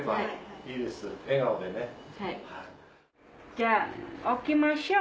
じゃあ起きましょう。